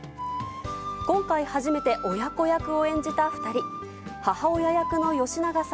今回初めて親子役を演じた２人。